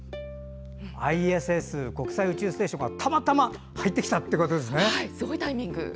ＩＳＳ＝国際宇宙ステーションがたまたま入ってきたんですね。